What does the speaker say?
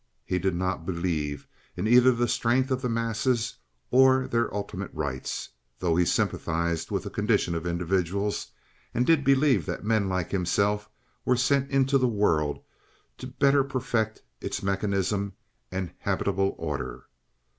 He did not believe in either the strength of the masses or their ultimate rights, though he sympathized with the condition of individuals, and did believe that men like himself were sent into the world to better perfect its mechanism and habitable order.